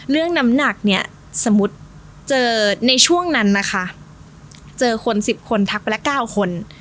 เรื่องน้ำหนักเนี้ยสมมุติเจอในช่วงนั้นนะคะเจอคนสิบคนทักไปแล้วเก้าคน